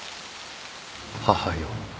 「母よ